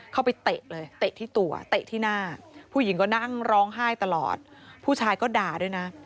เตะเลยเตะที่ตัวเตะที่หน้าผู้หญิงก็นั่งร้องไห้ตลอดผู้ชายก็ด่าด้วยนะ